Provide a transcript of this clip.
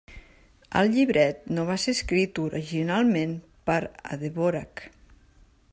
El llibret no va ser escrit originalment per a Dvořák.